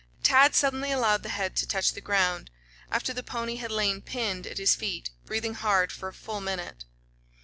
Tad suddenly allowed the head to touch the ground, after the pony had lain pinned at his feet, breathing hard for a full minute.